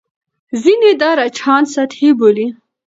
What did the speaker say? ځینې دا رجحان سطحي بولي.